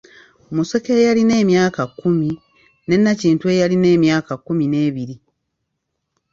Musoke eyalina emyaka kkumi ne Nakintu eyalina emyaka kkumi n'ebiri.